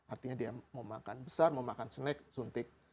artinya dia mau makan besar mau makan snack suntik